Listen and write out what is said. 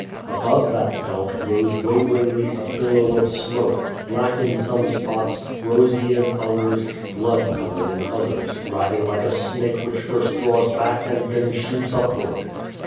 Above that belt, rose waveringly a billow of smoke, black in some spots, rosy in others, blood colored in others, writhing like a snake which first draws back and then shoots upward.